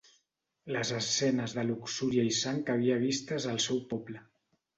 Les escenes de luxúria i sang que havia vistes al seu poble.